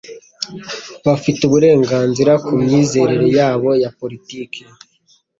Bafite uburenganzira ku myizerere yabo ya politiki.